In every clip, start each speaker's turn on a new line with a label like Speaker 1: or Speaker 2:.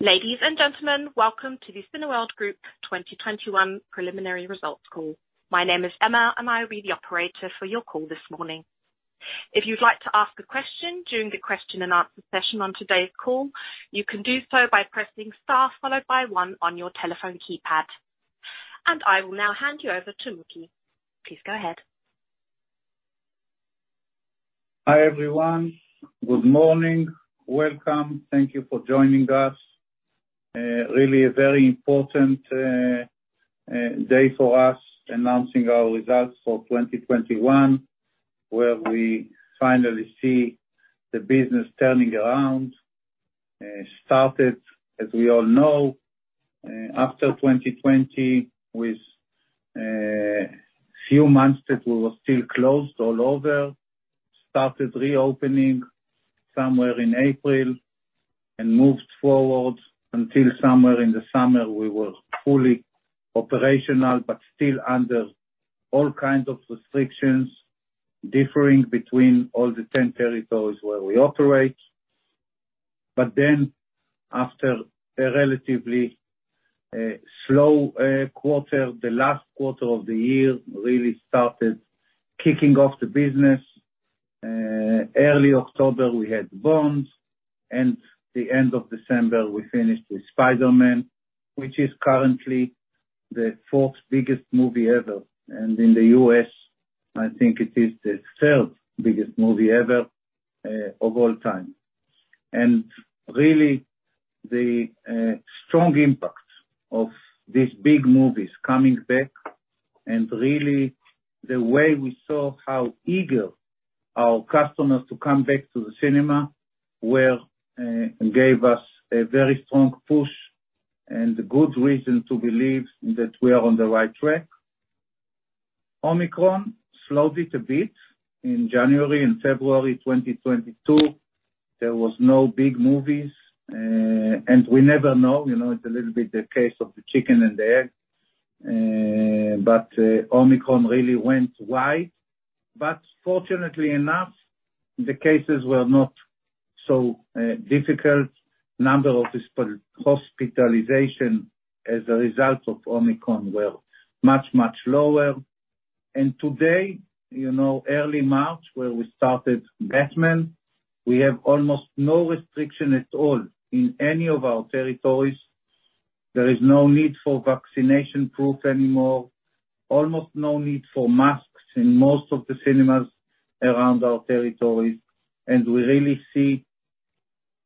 Speaker 1: Ladies and gentlemen, welcome to the Cineworld Group 2021 preliminary results call. My name is Emma and I will be the operator for your call this morning. If you'd like to ask a question during the question and answer session on today's call, you can do so by pressing star followed by one on your telephone keypad. I will now hand you over to Mooky. Please go ahead.
Speaker 2: Hi everyone. Good morning. Welcome. Thank you for joining us. Really a very important day for us announcing our results for 2021, where we finally see the business turning around. It started, as we all know, after 2020 with few months that we were still closed all over. Started reopening somewhere in April and moved forward until somewhere in the summer, we were fully operational, but still under all kinds of restrictions, differing between all the 10 territories where we operate. After a relatively slow quarter, the last quarter of the year really started kicking off the business. Early October, we had No Time to Die, and the end of December, we finished with Spider-Man: No Way Home, which is currently the fourth biggest movie ever. In the U.S., I think it is the third biggest movie ever, of all time. Really the strong impact of these big movies coming back and really the way we saw how eager our customers to come back to the cinema were gave us a very strong push and a good reason to believe that we are on the right track. Omicron slowed it a bit in January and February 2022. There was no big movies and we never know, you know, it's a little bit the case of the chicken and the egg. Omicron really went wide. But fortunately enough, the cases were not so difficult. Number of hospitalizations as a result of Omicron were much, much lower. Today, you know, early March, where we started Batman, we have almost no restriction at all in any of our territories. There is no need for vaccination proof anymore. Almost no need for masks in most of the cinemas around our territories. We really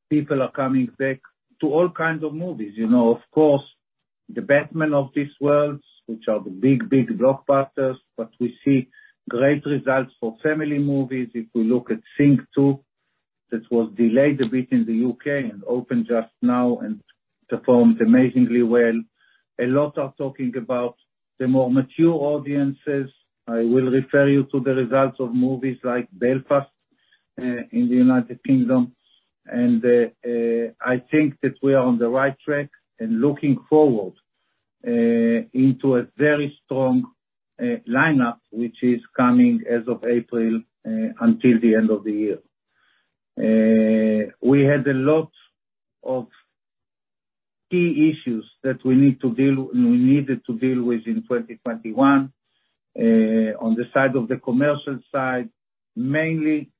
Speaker 2: see people are coming back to all kinds of movies, you know. Of course, The Batman and these worlds, which are the big, big blockbusters, but we see great results for family movies. If you look at Sing 2, this was delayed a bit in the U.K., and opened just now and performed amazingly well. A lot are talking about the more mature audiences. I will refer you to the results of movies like Belfast in the United Kingdom. I think that we are on the right track and looking forward to a very strong lineup, which is coming as of April until the end of the year. We had a lot of key issues that we need to deal We needed to deal with in 2021. On the side of the commercial side, mainly,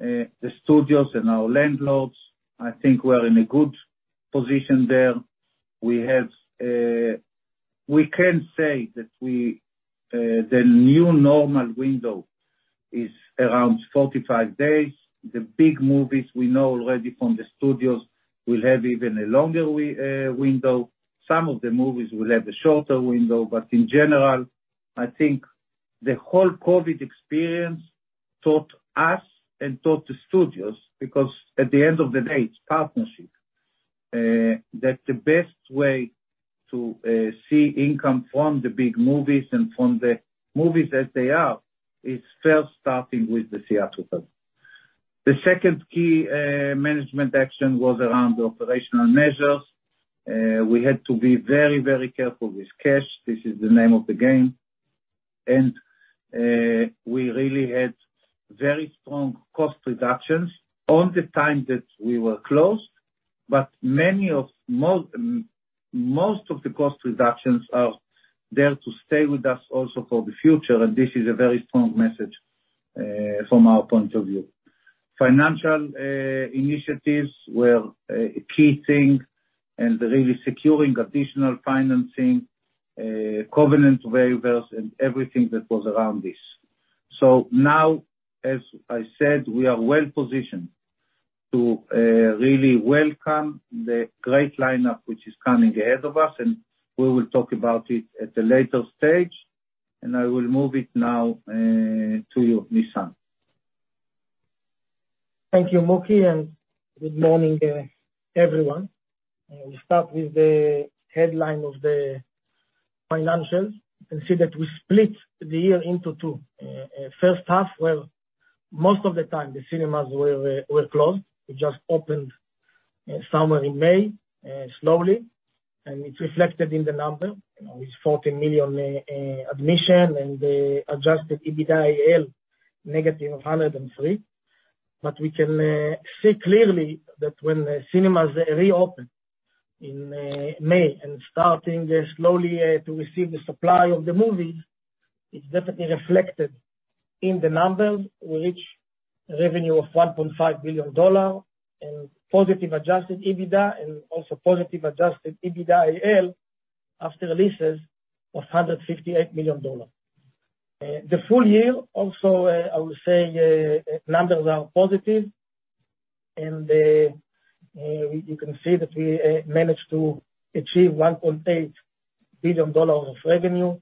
Speaker 2: the studios and our landlords, I think we're in a good position there. We have. We can say that we, the new normal window is around 45 days. The big movies we know already from the studios will have even a longer window. Some of the movies will have a shorter window, but in general, I think the whole COVID experience taught us and taught the studios, because at the end of the day, it's partnership that the best way to see income from the big movies and from the movies that they are, is first starting with the theatrical. The second key management action was around the operational measures. We had to be very, very careful with cash. This is the name of the game. We really had very strong cost reductions all the time that we were closed, but most of the cost reductions are there to stay with us also for the future, and this is a very strong message from our point of view. Financial initiatives were a key thing, and really securing additional financing, covenant waivers and everything that was around this. Now, as I said, we are well positioned to really welcome the great lineup which is coming ahead of us, and we will talk about it at a later stage. I will move it now to you, Nisan.
Speaker 3: Thank you, Mooky, and good morning, everyone. We start with the headline of the financials. You can see that we split the year into two. First half, where most of the time the cinemas were closed. We just opened somewhere in May slowly. It's reflected in the number, you know, it's $40 million admission and adjusted EBITDAaL -$103 million. But we can see clearly that when the cinemas reopen in May and starting slowly to receive the supply of the movies, it's definitely reflected in the numbers. We reach revenue of $1.5 billion and positive adjusted EBITDA and also positive adjusted EBITDAaL after leases of $158 million. The full year also, I would say, numbers are positive, and you can see that we managed to achieve $1.8 billion of revenue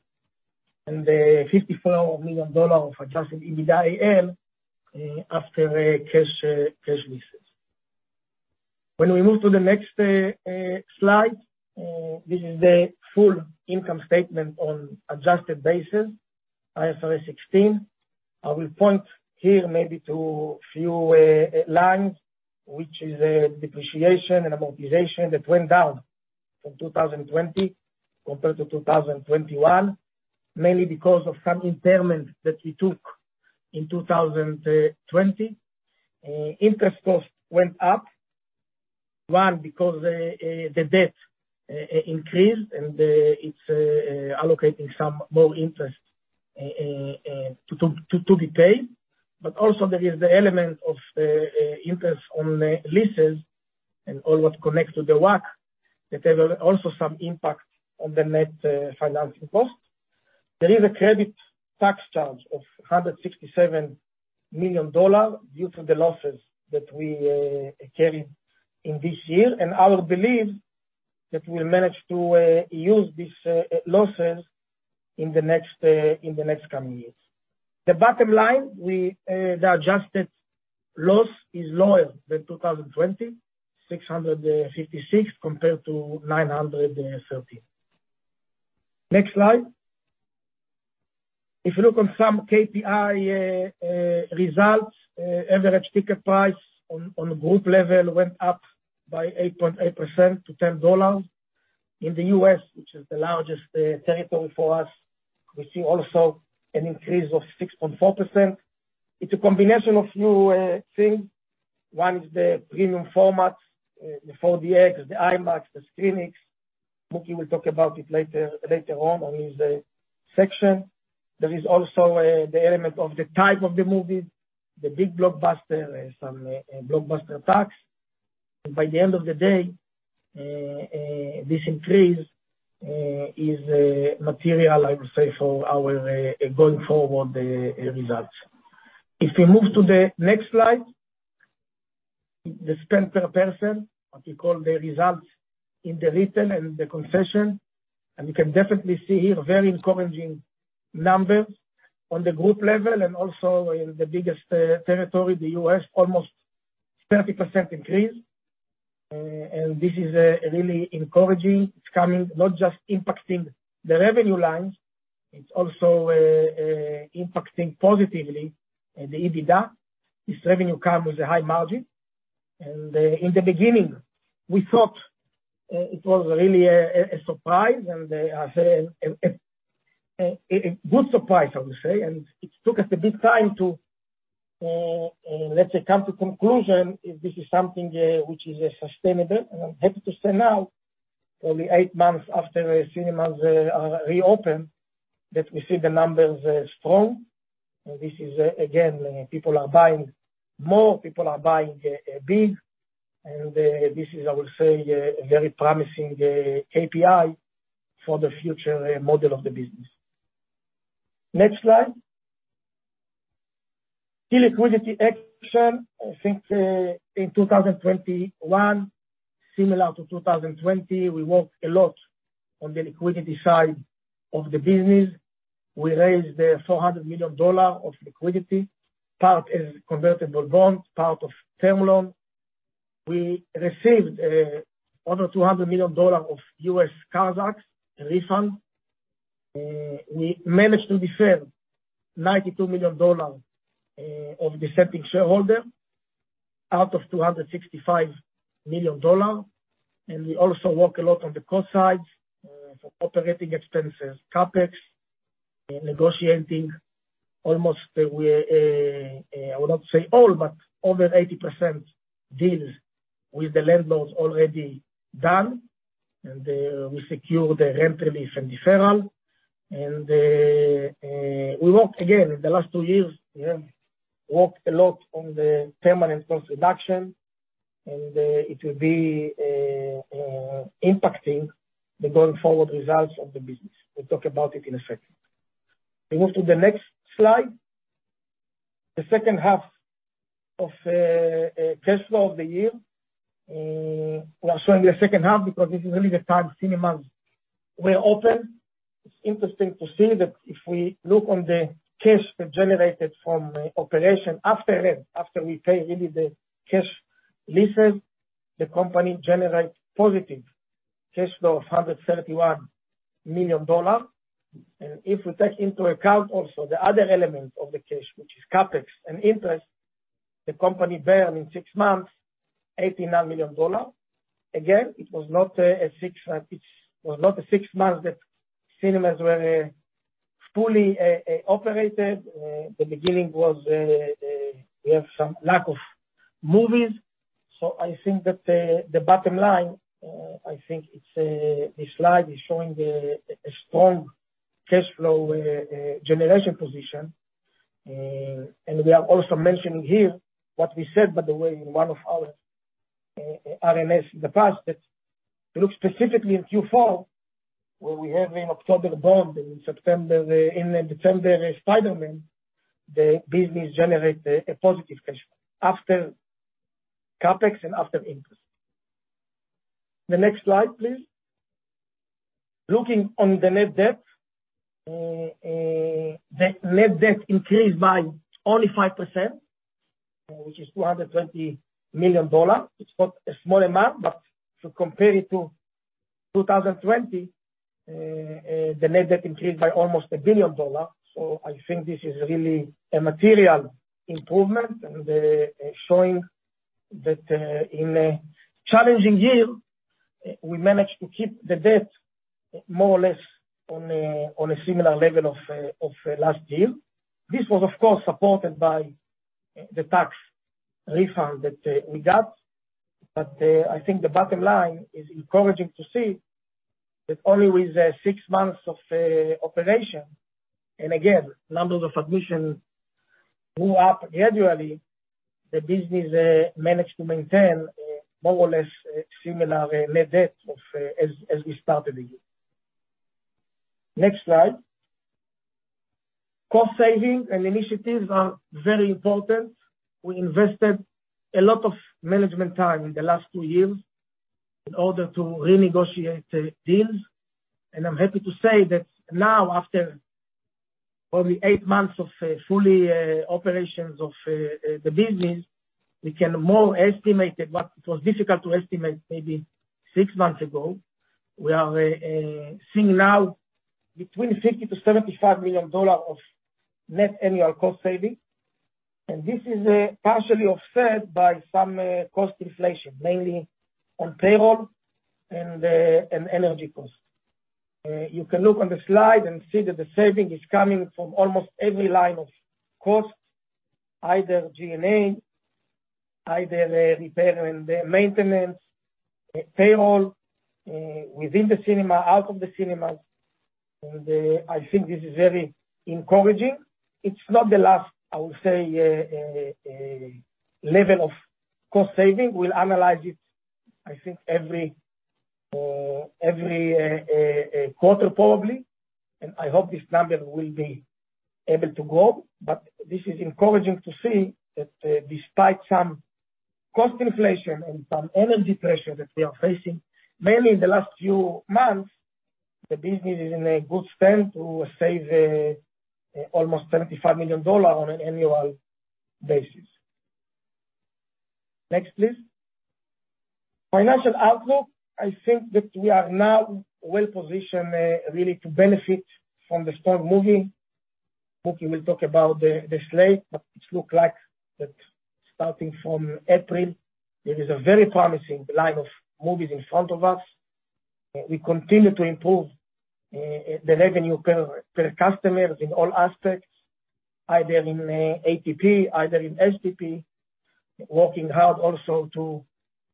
Speaker 3: and $54 million of adjusted EBITDAaL after cash leases. When we move to the next slide, this is the full income statement on adjusted basis, IFRS 16. I will point here maybe to a few lines, which is depreciation and amortization that went down from 2020 compared to 2021, mainly because of some impairment that we took in 2020. Interest cost went up, one, because the debt increased, and it's allocating some more interest to pay. Also, there is the element of interest on leases and all that connects to the WACC, that there were also some impact on the net financing cost. There is a credit tax charge of $167 million due to the losses that we carried in this year. I believe that we managed to use these losses in the next coming years. The bottom line, the adjusted loss is lower than 2020, $656 million compared to $930 million. Next slide. If you look on some KPI results, average ticket price on group level went up by 8.8% to $10. In the U.S., which is the largest territory for us, we see also an increase of 6.4%. It's a combination of few things. One is the premium formats, the 4DX, the IMAX, the ScreenX. Mooky will talk about it later on in his section. There is also the element of the type of the movies, the big blockbuster and some blockbuster tax. By the end of the day, this increase is material, I would say, for our going forward results. If we move to the next slide, the spend per person, what we call the results in the retail and the concession. We can definitely see here very encouraging numbers on the group level and also in the biggest territory, the U.S., almost 30% increase. This is really encouraging. It's not just impacting the revenue lines, it's also impacting positively the EBITDA. This revenue comes with a high margin. In the beginning, we thought it was really a good surprise, I would say. It took us a bit of time to, let's say, come to a conclusion if this is something which is sustainable. I'm happy to say now, only eight months after cinemas are reopened, that we see the numbers strong. This is, again, people are buying more, people are buying big. This is, I would say, a very promising KPI for the future model of the business. Next slide. The liquidity action, I think, in 2021, similar to 2020, we worked a lot on the liquidity side of the business. We raised $400 million of liquidity, part is convertible bonds, part of term loan. We received other $200 million of US CARES Act refund. We managed to defend $92 million of the dissenting shareholder out of $265 million. We also work a lot on the cost side for operating expenses, CapEx, negotiating almost with, I would not say all, but over 80% deals with the landlords already done. We secure the rent relief and deferral. We work again in the last two years, we have worked a lot on the permanent cost reduction, and it will be impacting the going forward results of the business. We'll talk about it in a second. We move to the next slide. The second half of the cash flow of the year. We are showing the second half because this is really the time cinemas were open. It's interesting to see that if we look on the cash generated from operation after rent, after we pay really the cash leases, the company generates positive cash flow of $131 million. If we take into account also the other element of the cash, which is CapEx and interest, the company burned in six months $89 million. Again, it was not the six months that cinemas were fully operated. The beginning was we have some lack of movies, so I think that the bottom line, I think it's this slide is showing a strong cash flow generation position. We are also mentioning here what we said, by the way, in one of our RNS in the past that look specifically in Q4 where we have in October, Bond, and in September, Spider-Man, the business generate a positive cash flow after CapEx and after interest. The next slide, please. Looking on the net debt. The net debt increased by only 5%, which is $220 million. It's not a small amount, but if you compare it to 2020, the net debt increased by almost $1 billion. I think this is really a material improvement, showing that in a challenging year, we managed to keep the debt more or less on a similar level of last year. This was, of course, supported by the tax refund that we got. I think the bottom line is encouraging to see that only with six months of operation, and again, numbers of admissions grew up gradually, the business managed to maintain more or less similar net debt as we started the year. Next slide. Cost savings and initiatives are very important. We invested a lot of management time in the last two years in order to renegotiate deals, and I'm happy to say that now, after only eight months of full operations of the business, we can better estimate that what was difficult to estimate maybe six months ago. We are seeing now between $50 million-$75 million of net annual cost savings. This is partially offset by some cost inflation, mainly on payroll and energy costs. You can look on the slide and see that the saving is coming from almost every line of costs, either G&A, either repair and maintenance, payroll within the cinema, out of the cinemas. I think this is very encouraging. It's not the last, I would say, level of cost saving. We'll analyze it, I think every quarter probably, and I hope this number will be able to grow. This is encouraging to see that, despite some cost inflation and some energy pressure that we are facing, mainly in the last few months, the business is in a good stand to save almost $75 million on an annual basis. Next, please. Financial outlook. I think that we are now well-positioned, really to benefit from the strong movie. Mooky will talk about the slate, but it looks like that starting from April, there is a very promising line of movies in front of us. We continue to improve the revenue per customer in all aspects, either in ATP, either in SPP, working hard also to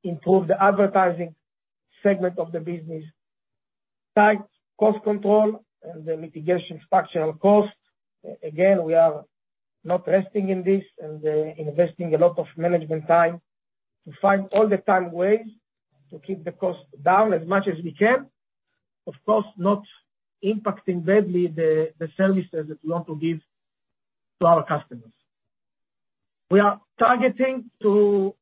Speaker 3: improve the advertising segment of the business, tight cost control and the mitigating structural costs. Again, we are not resting in this and, investing a lot of management time to find all the time ways to keep the costs down as much as we can. Of course, not impacting badly the services that we want to give to our customers. We are targeting to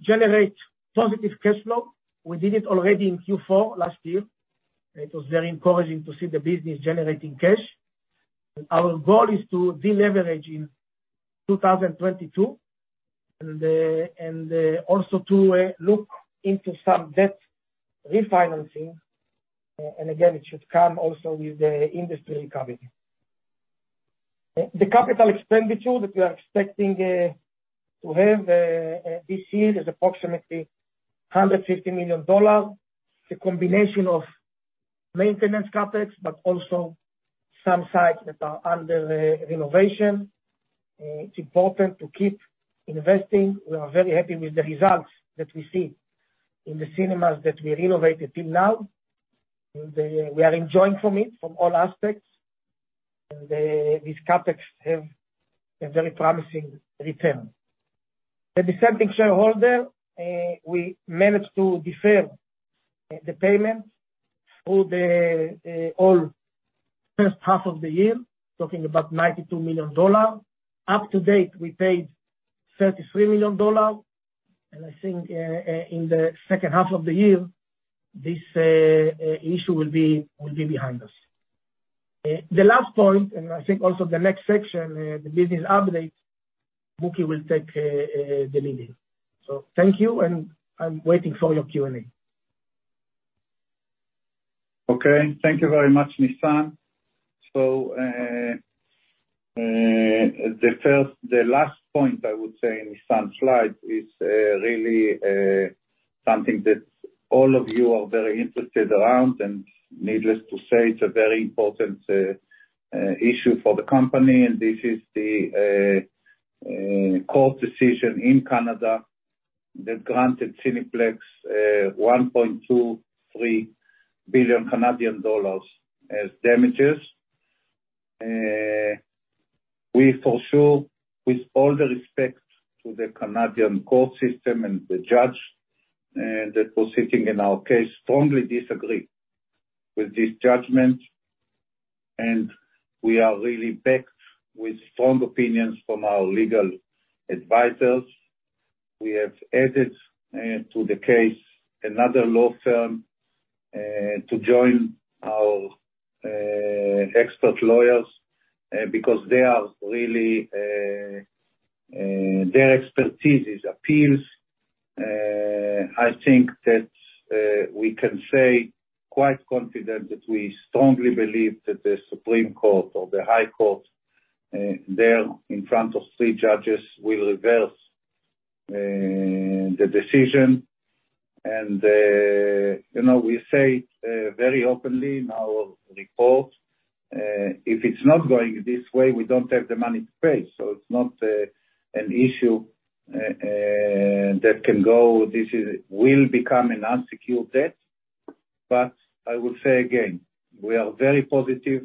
Speaker 3: generate positive cash flow. We did it already in Q4 last year. It was very encouraging to see the business generating cash. Our goal is to deleverage in 2022 and also to look into some debt refinancing. It should come also with the industry recovery. The capital expenditure that we are expecting to have this year is approximately $150 million. It's a combination of maintenance CapEx but also some sites that are under renovation. It's important to keep investing. We are very happy with the results that we see in the cinemas that we renovated till now. We are enjoying from it from all aspects. These CapEx have a very promising return. The dissenting shareholder, we managed to defer the payment through the all first half of the year, talking about $92 million. To date, we paid $33 million, and I think in the second half of the year, this issue will be behind us. The last point, and I think also the next section, the business update, Mooky will take the lead. Thank you, and I'm waiting for your Q&A.
Speaker 2: Okay, thank you very much, Nisan. The last point I would say in Nisan's slide is really something that all of you are very interested in, and needless to say, it's a very important issue for the company, and this is the court decision in Canada that granted Cineplex CAD 1.23 billion as damages. We for sure, with all due respect to the Canadian court system and the judge that was sitting in our case, strongly disagree with this judgment, and we are really backed by strong opinions from our legal advisors. We have added to the case another law firm to join our expert lawyers because they are really their expertise appears. I think that we can say quite confident that we strongly believe that the Supreme Court or the High Court there in front of three judges will reverse the decision. You know, we say very openly in our report if it's not going this way, we don't have the money to pay, so it's not an issue that can go. This will become an unsecured debt. I will say again, we are very positive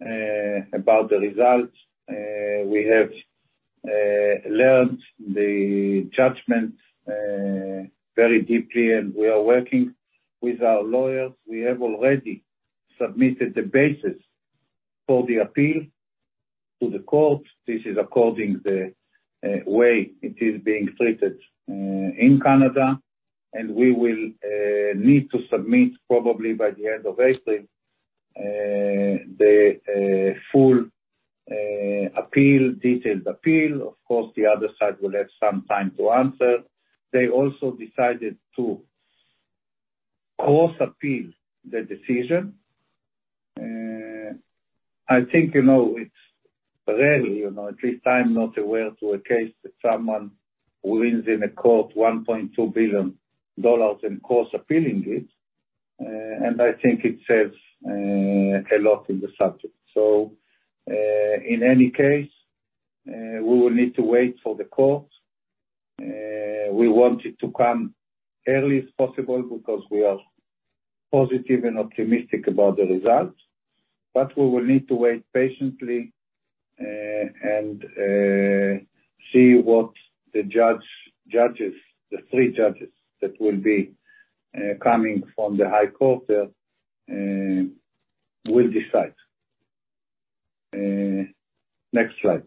Speaker 2: about the results. We have learned the judgment very deeply, and we are working with our lawyers. We have already submitted the basis for the appeal to the court. This is according to the way it is being treated in Canada. We will need to submit, probably by the end of April, the full, detailed appeal. Of course, the other side will have some time to answer. They also decided to cross-appeal the decision. I think, you know, it's rare, you know, at least I'm not aware, of a case that someone wins in court 1.2 billion dollars then cross-appealing it, and I think it says a lot in the subject. In any case, we will need to wait for the court. We want it to come as early as possible because we are positive and optimistic about the results. We will need to wait patiently, and see what the three judges that will be coming from the High Court there will decide. Next slide.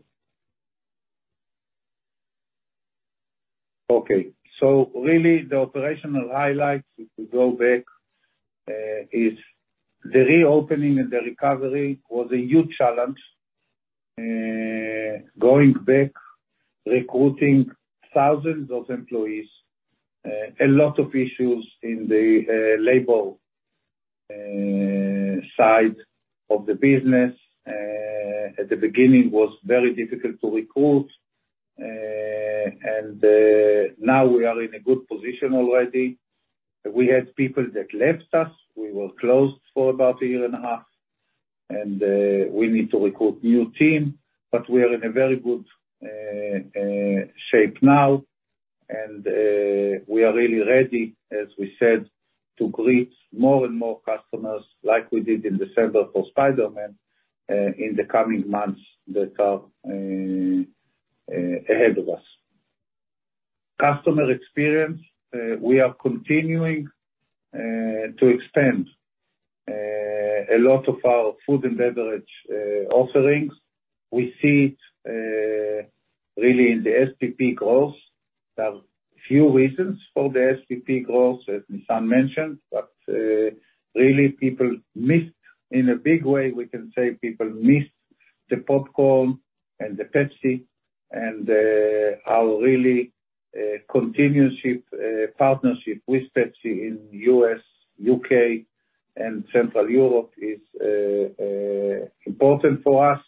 Speaker 2: Okay. Really the operational highlights, if we go back, is the reopening and the recovery was a huge challenge. Going back, recruiting thousands of employees, a lot of issues in the labor side of the business. At the beginning, was very difficult to recruit. Now we are in a good position already. We had people that left us. We were closed for about a year and a half, and we need to recruit new team. We are in a very good shape now, and we are really ready, as we said, to greet more and more customers like we did in December for Spider-Man in the coming months that are ahead of us. Customer experience. We are continuing to extend a lot of our food and beverage offerings. We see really in the SPP growth. There are a few reasons for the SPP growth, as Nisan mentioned, but really, in a big way, we can say people missed the popcorn and the Pepsi and our really continuous partnership with Pepsi in U.S., U.K., and Central Europe is important for us.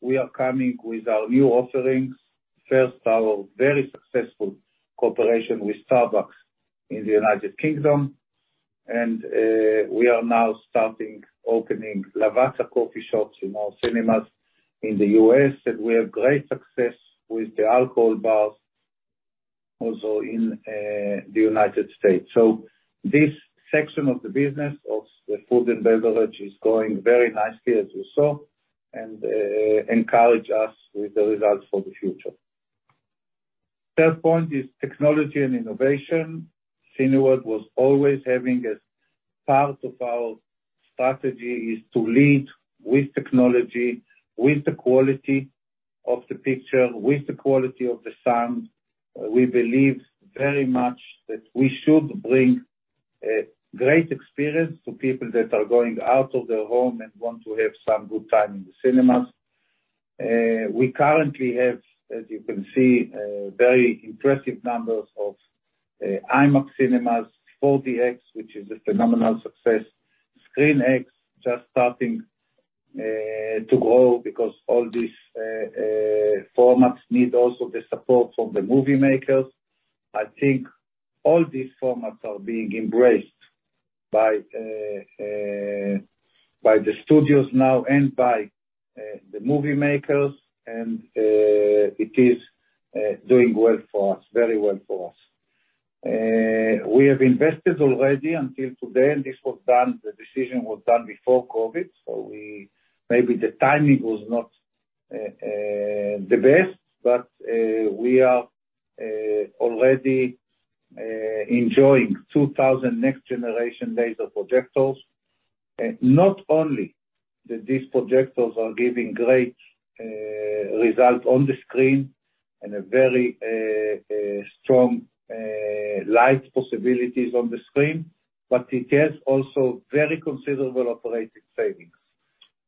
Speaker 2: We are coming with our new offerings. First, our very successful cooperation with Starbucks in the United Kingdom. We are now starting to open Lavazza coffee shops in our cinemas in the U.S., and we have great success with the alcohol bars also in the United States. This section of the business of the food and beverage is going very nicely, as you saw, and encourages us with the results for the future. Third point is technology and innovation. Cineworld was always having as part of our strategy is to lead with technology, with the quality of the picture, with the quality of the sound. We believe very much that we should bring a great experience to people that are going out of their home and want to have some good time in the cinemas. We currently have, as you can see, very impressive numbers of IMAX cinemas, 4DX, which is a phenomenal success. ScreenX just starting to grow because all these formats need also the support from the movie makers. I think all these formats are being embraced by the studios now and by the movie makers, and it is doing well for us, very well for us. We have invested already until today, and this was done, the decision was done before COVID. We... Maybe the timing was not the best, but we are already enjoying 2,000 next-generation laser projectors. Not only that these projectors are giving great strong light possibilities on the screen, but it has also very considerable operating savings.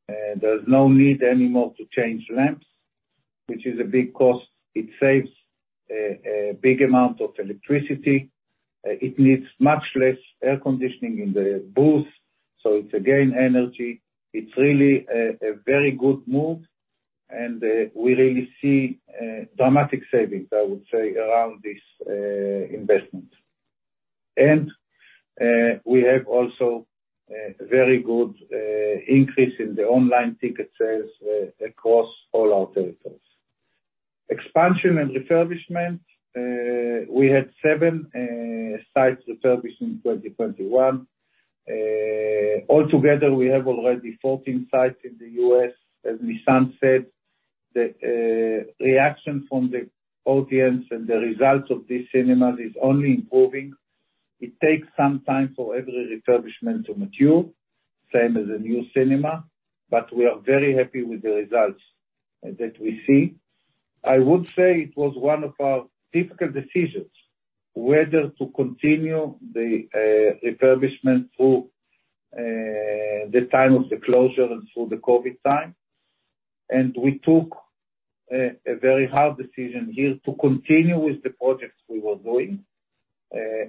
Speaker 2: There's no need anymore to change lamps, which is a big cost. It saves a big amount of electricity. It needs much less air conditioning in the booth, so it's again energy. It's really a very good move, and we really see dramatic savings, I would say, around this investment. We have also a very good increase in the online ticket sales across all our territories. Expansion and refurbishment. We had seven sites refurbished in 2021. Altogether, we have already 14 sites in the U.S. As Nisan said, the reaction from the audience and the results of these cinemas is only improving. It takes some time for every refurbishment to mature, same as a new cinema, but we are very happy with the results that we see. I would say it was one of our difficult decisions whether to continue the refurbishment through the time of the closure and through the COVID time. We took a very hard decision here to continue with the projects we were doing.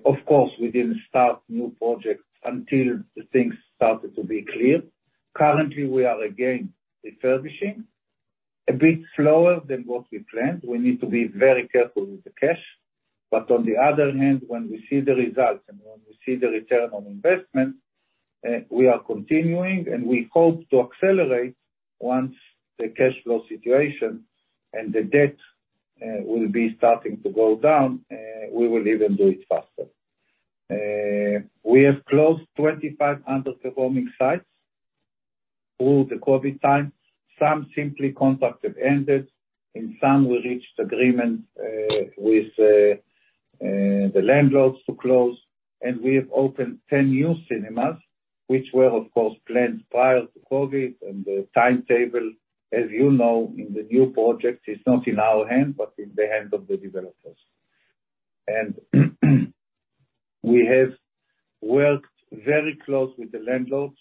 Speaker 2: Of course, we didn't start new projects until the things started to be clear. Currently, we are again refurbishing a bit slower than what we planned. We need to be very careful with the cash. When we see the results and when we see the return on investment, we are continuing, and we hope to accelerate once the cash flow situation and the debt will be starting to go down. We will even do it faster. We have closed 25 underperforming sites through the COVID time. Some simply contracts ended, and some we reached agreement with the landlords to close. We have opened 10 new cinemas, which were of course planned prior to COVID, and the timetable, as you know, in the new projects is not in our hand, but in the hands of the developers. We have worked very close with the landlords.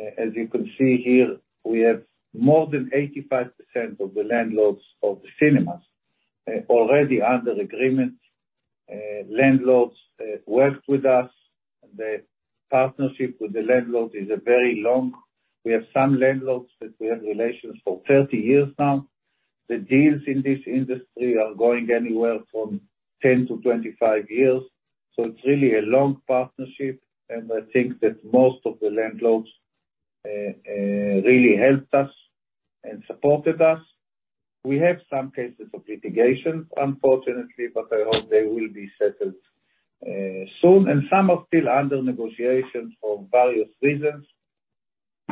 Speaker 2: As you can see here, we have more than 85% of the landlords of the cinemas already under agreement. Landlords worked with us. The partnership with the landlord is very long. We have some landlords that we have relations for 30 years now. The deals in this industry are going anywhere from 10-25 years, so it's really a long partnership, and I think that most of the landlords really helped us and supported us. We have some cases of litigation, unfortunately, but I hope they will be settled soon. Some are still under negotiation for various reasons.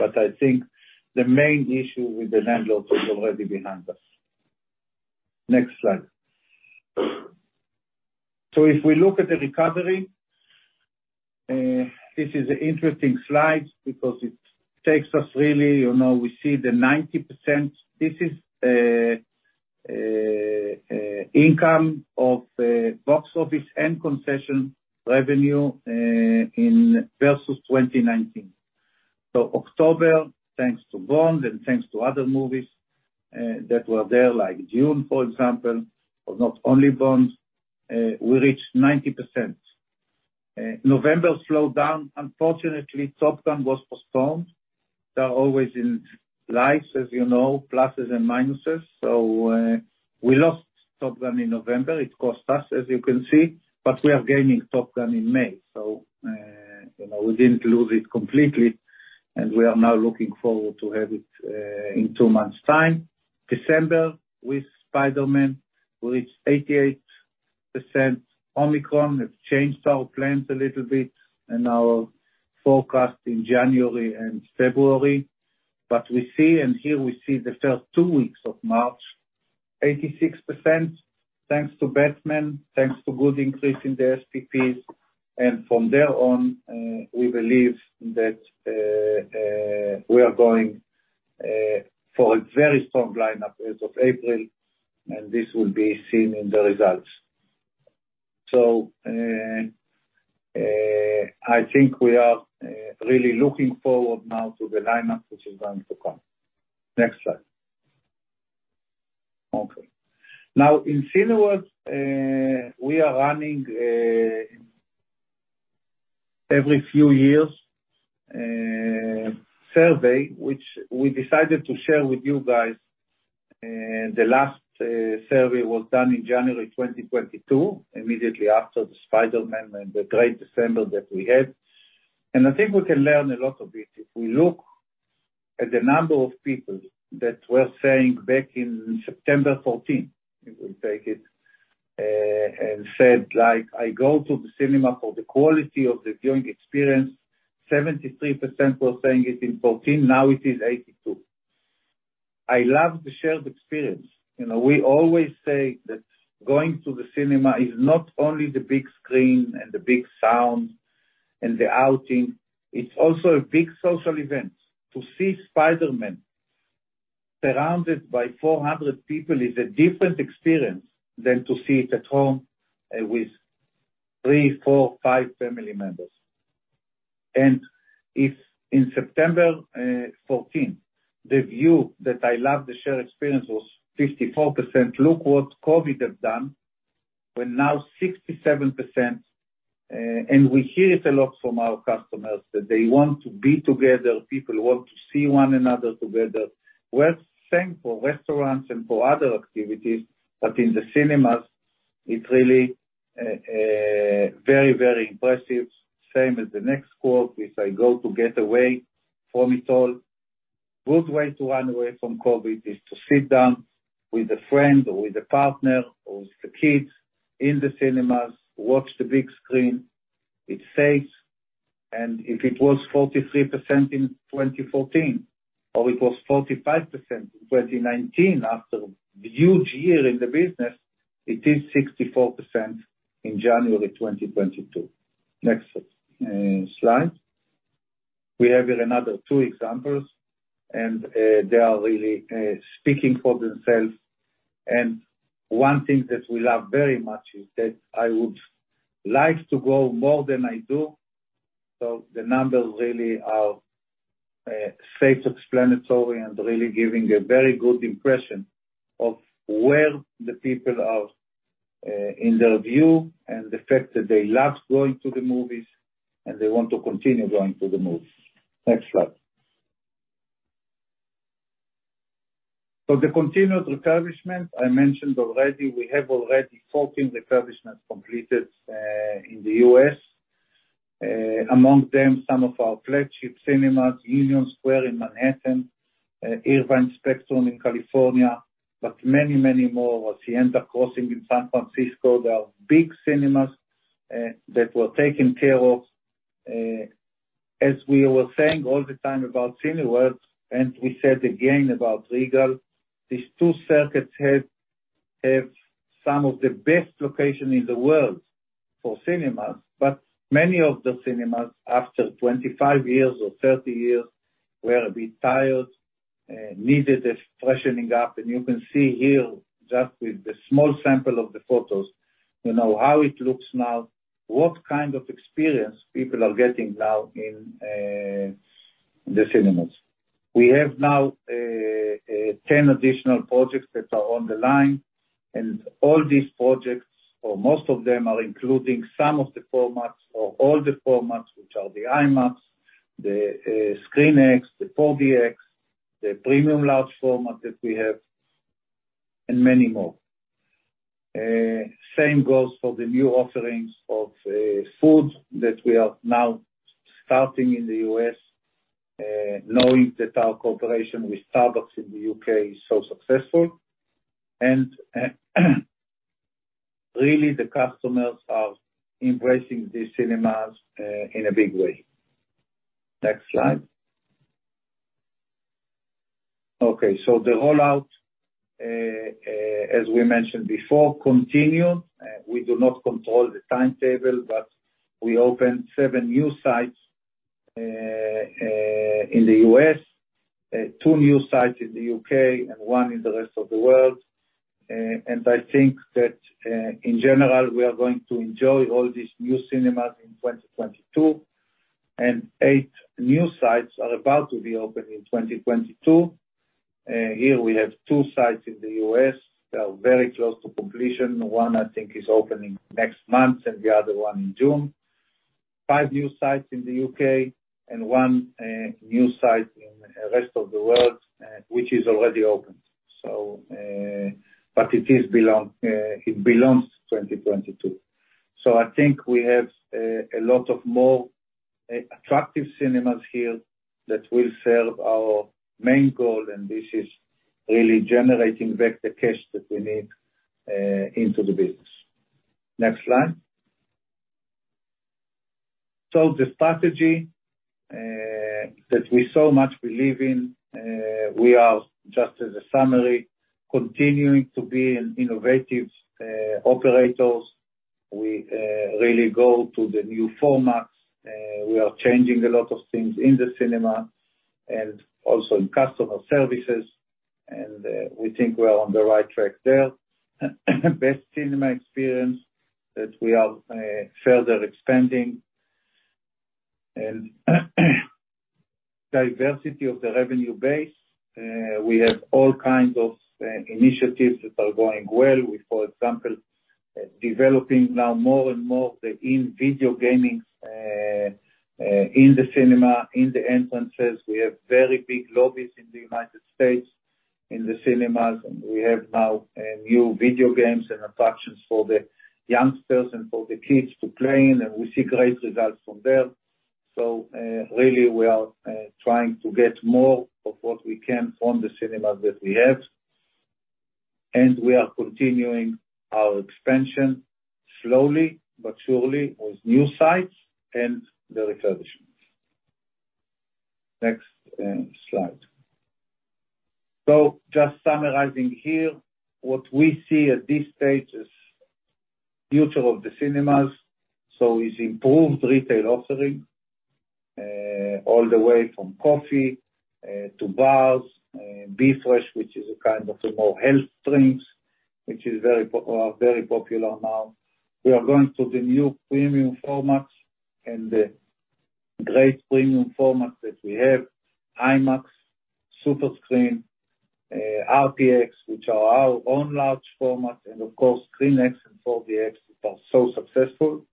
Speaker 2: I think the main issue with the landlords is already behind us. Next slide. If we look at the recovery, this is an interesting slide because it takes us really, you know, we see the 90%. This is 90% of box office and concession revenue versus 2019. October, thanks to Bond and thanks to other movies, that were there, like Dune, for example, but not only Bond, we reached 90%. November slowed down. Unfortunately, Top Gun was poSPPoned. There are always in life, as you know, pluses and minuses. We lost Top Gun in November. It cost us, as you can see, but we are gaining Top Gun in May. You know, we didn't lose it completely, and we are now looking forward to have it, in two months' time. December, with Spider-Man, we reached 88%. Omicron has changed our plans a little bit and our forecast in January and February. But we see, and here we see the first two weeks of March, 86%, thanks to Batman, thanks to good increase in the SPPs. From there on, we believe that we are going for a very strong lineup as of April, and this will be seen in the results. I think we are really looking forward now to the lineup, which is going to come. Next slide. Okay. Now, in Cineworld, we are running every few years survey, which we decided to share with you guys. The last survey was done in January 2022, immediately after the Spider-Man and the great December that we had. I think we can learn a lot of it. If we look at the number of people that were saying back in September 2014, if we take it and said, like, "I go to the cinema for the quality of the viewing experience," 73% were saying it in 2014, now it is 82%. I love the shared experience. You know, we always say that going to the cinema is not only the big screen and the big sound and the outing, it's also a big social event. To see Spider-Man surrounded by 400 people is a different experience than to see it at home with three, four, five family members. If in September 2014, the view that I love the shared experience was 54%, look what COVID have done. We're now 67%. And we hear it a lot from our customers that they want to be together. People want to see one another together. Well, same for restaurants and for other activities, but in the cinemas, it's really, very, very impressive. Same as the next quote, which I go to get away from it all. Good way to run away from COVID is to sit down with a friend or with a partner or with the kids in the cinemas, watch the big screen. It's safe. If it was 43% in 2014 or it was 45% in 2019, after the huge year in the business, it is 64% in January 2022. Next, slide. We have here another two examples, and they are really speaking for themselves. One thing that we love very much is that I would like to go more than I do. The numbers really are safe, explanatory, and really giving a very good impression of where the people are in their view and the fact that they love going to the movies, and they want to continue going to the movies. Next slide. The continuous refurbishment, I mentioned already, we have already 14 refurbishments completed in the U.S. Among them, some of our flagship cinemas, Union Square in Manhattan, Irvine Spectrum in California, but many, many more. At the Emeryville location in San Francisco, there are big cinemas that were taken care of. As we were saying all the time about Cineworld, and we said again about Regal, these two circuits have some of the best location in the world for cinemas. Many of the cinemas, after 25 years or 30 years, were a bit tired, needed a freshening up. You can see here just with the small sample of the photos, you know, how it looks now, what kind of experience people are getting now in the cinemas. We have now 10 additional projects that are on the line, and all these projects or most of them are including some of the formats or all the formats, which are the IMAX, the ScreenX, the 4DX, the premium large format that we have and many more. Same goes for the new offerings of food that we are now starting in the U.S., knowing that our cooperation with Starbucks in the U.K. is so successful. Really the customers are embracing these cinemas in a big way. Next slide. Okay. The rollout, as we mentioned before, continues. We do not control the timetable, but we opened seven new sites in the U.S., two new sites in the U.K. and one in the rest of the world. I think that in general, we are going to enjoy all these new cinemas in 2022, and eight new sites are about to be open in 2022. Here we have two sites in the U.S. that are very close to completion. One, I think, is opening next month and the other one in June. Five new sites in the U.K. and one new site in the rest of the world, which is already opened. It belongs to 2022. I think we have a lot more attractive cinemas here that will serve our main goal, and this is really generating back the cash that we need into the business. Next slide. The strategy that we so much believe in, we are just as a summary, continuing to be an innovative operators. We really go to the new formats. We are changing a lot of things in the cinema and also in customer services, and we think we are on the right track there. Best cinema experience that we are further expanding. Diversity of the revenue base, we have all kinds of initiatives that are going well. With, for example, developing now more and more the in-cinema gaming in the cinema, in the entrances. We have very big lobbies in the United States, in the cinemas, and we have now new video games and attractions for the youngsters and for the kids to play, and we see great results from there. Really we are trying to get more of what we can from the cinemas that we have. We are continuing our expansion slowly but surely with new sites and the refurbishments. Next, slide. Just summarizing here, what we see at this stage is future of the cinemas, so is improved retail offering all the way from coffee to bars, B-Fresh, which is a kind of a more health drinks, which is very popular now. We are going to the new premium formats and the great premium formats that we have, IMAX, Superscreen, RPX, which are our own large formats, and of course, ScreenX and 4DX, which are so successful.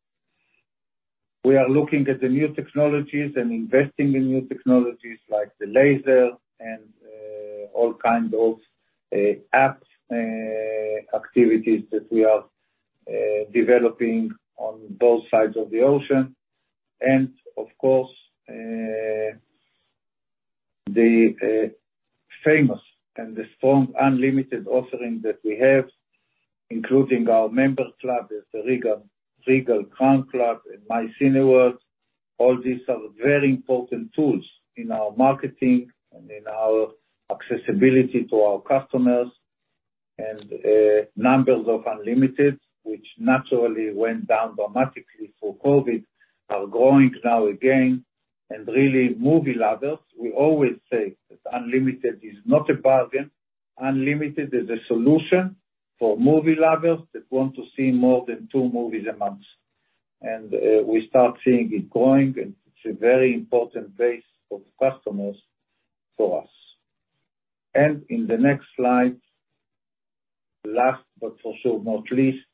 Speaker 2: We are looking at the new technologies and investing in new technologies like the laser and all kind of apps activities that we are developing on both sides of the ocean. Of course, the famous and the strong Unlimited offering that we have, including our members club, there's the Regal Crown Club and My Cineworld. All these are very important tools in our marketing and in our accessibility to our customers. Numbers of Unlimited, which naturally went down dramatically for COVID, are growing now again. Really movie lovers, we always say that Unlimited is not a bargain, Unlimited is a solution for movie lovers that want to see more than two movies a month. We start seeing it growing, and it's a very important base of customers for us. In the next slide, last but for sure not least,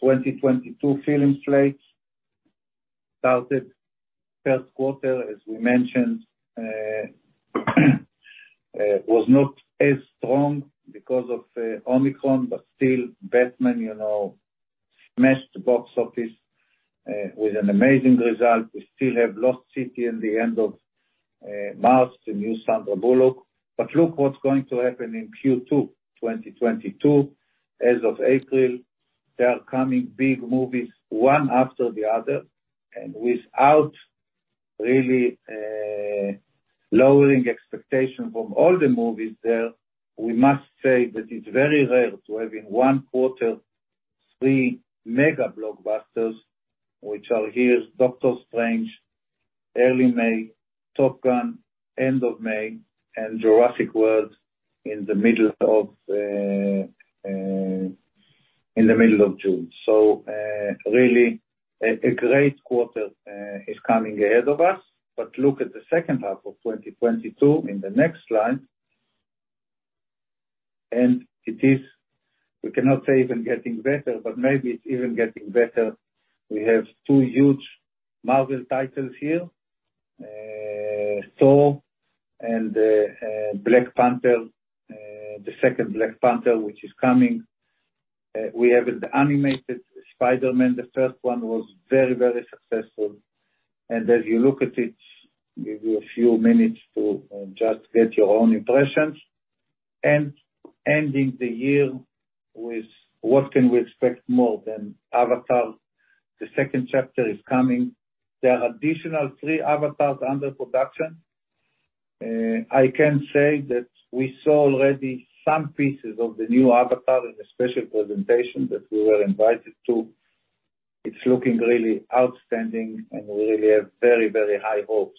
Speaker 2: 2022 film slate. Started first quarter, as we mentioned, was not as strong because of Omicron, but still Batman, you know, smashed the box office with an amazing result. We still have Lost City in the end of March, the new Sandra Bullock. Look what's going to happen in Q2 2022, as of April, there are coming big movies, one after the other. Without really lowering expectation from all the movies there, we must say that it's very rare to have in one quarter three mega blockbusters, which are here, Doctor Strange early May, Top Gun end of May, and Jurassic World in the middle of June. Really a great quarter is coming ahead of us. Look at the second half of 2022 in the next slide. It is, we cannot say even getting better, but maybe it's even getting better. We have two huge Marvel titles here, Thor and Black Panther, the second Black Panther, which is coming. We have an animated Spider-Man. The first one was very, very successful. As you look at it, give you a few minutes to just get your own impressions. Ending the year with what can we expect more than Avatar, the second chapter is coming. There are additional three Avatars under production. I can say that we saw already some pieces of the new Avatar in a special presentation that we were invited to. It's looking really outstanding, and we really have very, very high hopes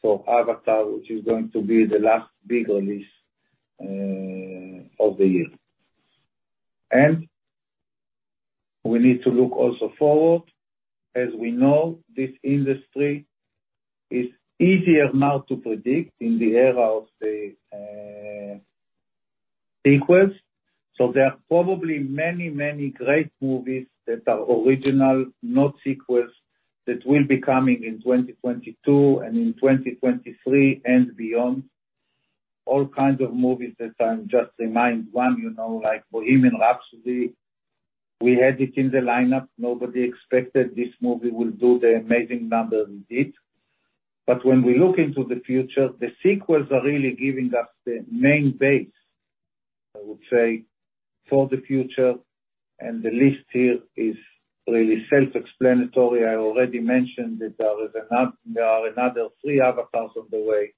Speaker 2: for Avatar, which is going to be the last big release of the year. We need to look also forward. As we know, this industry is easier now to predict in the era of the sequels. There are probably many, many great movies that are original, not sequels, that will be coming in 2022 and in 2023 and beyond. All kinds of movies that I'm just remind one, you know, like Bohemian Rhapsody. We had it in the lineup. Nobody expected this movie will do the amazing numbers it did. When we look into the future, the sequels are really giving us the main base, I would say, for the future. The list here is really self-explanatory. I already mentioned that there are another three Avatars on the way.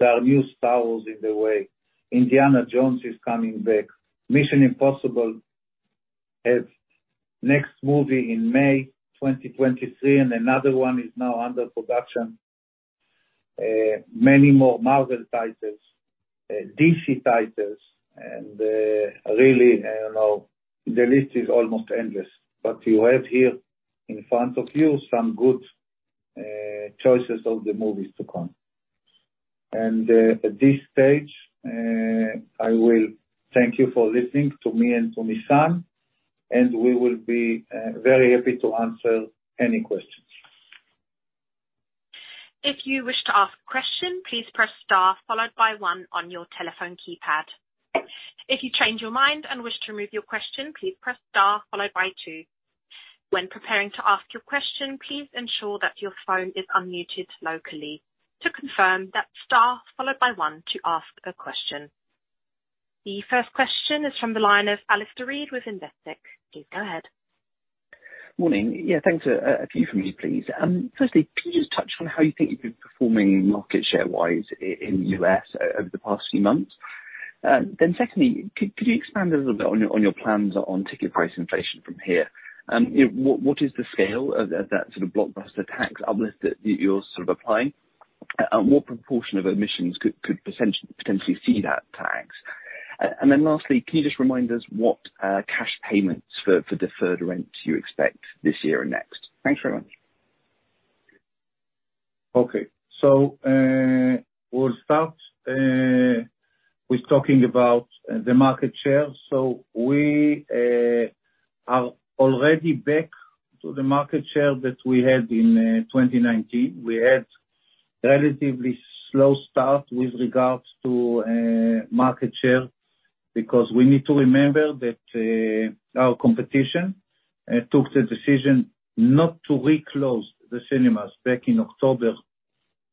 Speaker 2: There are new Star Wars on the way. Indiana Jones is coming back. Mission: Impossible has next movie in May 2023, and another one is now under production. Many more Marvel titles, DC titles, and, really, I don't know, the list is almost endless. You have here in front of you some good choices of the movies to come. At this stage, I will thank you for listening to me and to Nisan, and we will be very happy to answer any questions.
Speaker 1: If you wish to ask a question, please press star followed by one on your telephone keypad. If you change your mind and wish to remove your question, please press star followed by two. When preparing to ask your question, please ensure that your phone is unmuted locally. To confirm, that is star followed by one to ask a question. The first question is from the line of Alastair Reid with Investec. Please go ahead.
Speaker 4: Morning. Yeah, thanks. A few from me, please. Firstly, can you just touch on how you think you've been performing market share-wise in the U.S. over the past few months? Then secondly, could you expand a little bit on your plans on ticket price inflation from here? You know, what is the scale of that sort of blockbuster tax uplift that you're sort of applying? What proportion of admissions could potentially see that tax? Then lastly, can you just remind us what cash payments for deferred rents you expect this year and next? Thanks very much.
Speaker 2: Okay. We'll start with talking about the market share. We are already back to the market share that we had in 2019. We had relatively slow start with regards to market share, because we need to remember that our competition took the decision not to re-close the cinemas back in October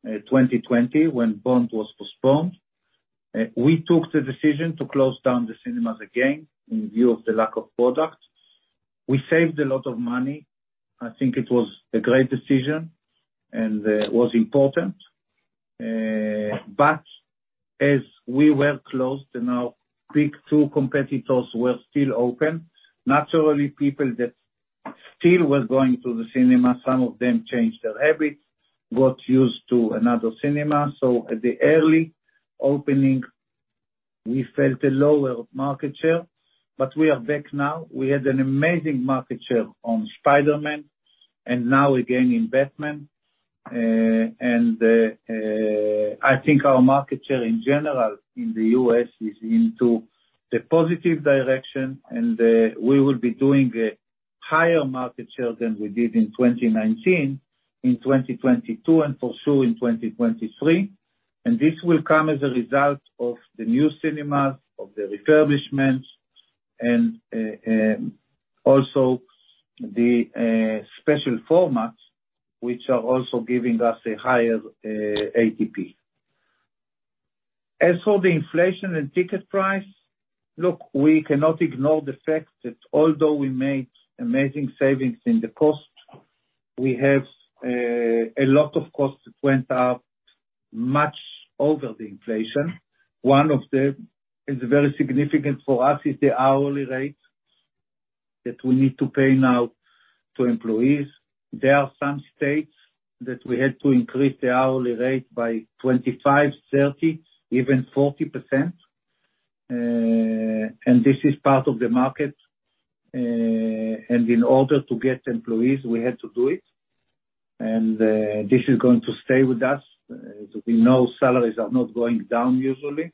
Speaker 2: 2020 when Bond was poSPPoned. We took the decision to close down the cinemas again in view of the lack of product. We saved a lot of money. I think it was a great decision and was important. As we were closed and our key two competitors were still open, naturally people that still were going to the cinema, some of them changed their habits, got used to another cinema. At the early opening, we felt a lower market share. We are back now. We had an amazing market share on Spider-Man, and now again in The Batman. I think our market share in general in the U.S. is into the positive direction. We will be doing a higher market share than we did in 2019, in 2022, and for sure in 2023. This will come as a result of the new cinemas, of the refurbishments and also the special formats, which are also giving us a higher ATP. As for the inflation and ticket price, look, we cannot ignore the fact that although we made amazing savings in the cost, we have a lot of costs that went up much over the inflation. One of them is very significant for us, is the hourly rate that we need to pay now to employees. There are some states that we had to increase the hourly rate by 25%, 30%, even 40%. This is part of the market. In order to get employees, we had to do it. This is going to stay with us, as we know salaries are not going down usually.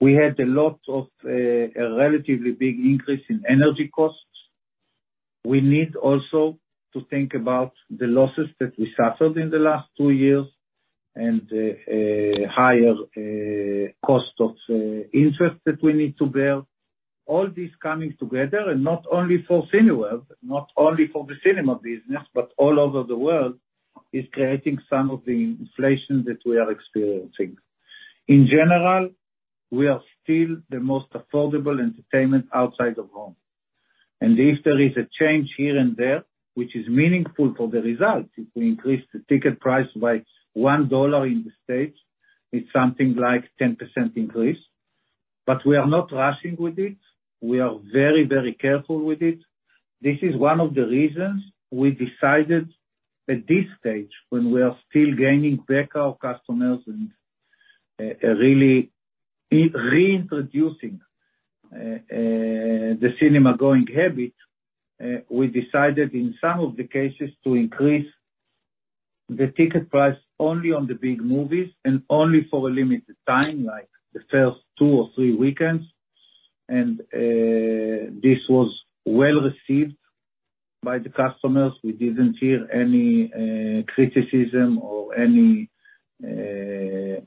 Speaker 2: We had a lot of, a relatively big increase in energy costs. We need also to think about the losses that we suffered in the last two years and, a higher, cost of, interest that we need to bear. All this coming together, and not only for Cineworld, not only for the cinema business, but all over the world, is creating some of the inflation that we are experiencing. In general, we are still the most affordable entertainment outside the home. If there is a change here and there, which is meaningful for the results, if we increase the ticket price by $1 in the States, it's something like 10% increase. But we are not rushing with it. We are very, very careful with it. This is one of the reasons we decided at this stage, when we are still gaining back our customers and really re-introducing the cinema-going habit, we decided in some of the cases to increase the ticket price only on the big movies and only for a limited time, like the first two or three weekends. This was well received by the customers. We didn't hear any criticism or any, there